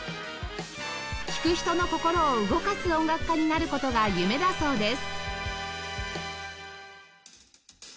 聴く人の「心」を動かす音楽家になる事が夢だそうです